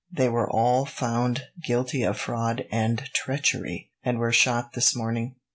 They were all found guilty of fraud and treachery, and were shot this morning."